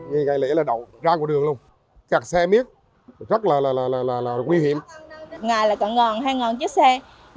tuy nhiên đây là dự án đặc biệt là di tích quốc gia duy nhất nằm giữa hai địa phương